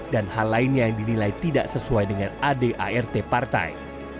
dan hal lainnya yang dinilai tidak sesuai dengan ad art partai